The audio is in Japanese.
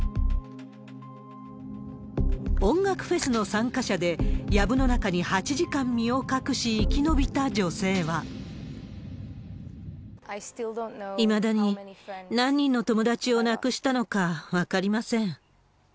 音楽フェスの参加者で、やぶの中に８時間身を隠し、いまだに、何人の友達を亡くしたのか分かりません。